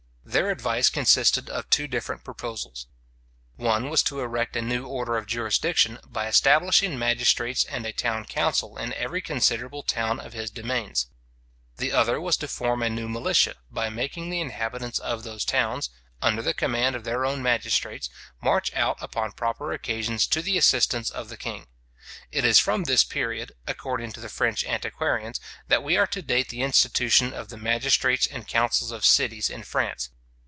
Their advice consisted of two different proposals. One was to erect a new order of jurisdiction, by establishing magistrates and a town council in every considerable town of his demesnes. The other was to form a new militia, by making the inhabitants of those towns, under the command of their own magistrates, march out upon proper occasions to the assistance of the king. It is from this period, according to the French antiquarians, that we are to date the institution of the magistrates and councils of cities in France.